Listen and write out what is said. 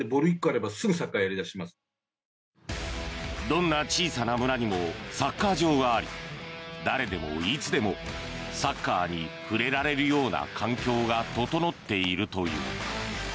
どんな小さな村にもサッカー場があり誰でも、いつでもサッカーに触れられるような環境が整っているという。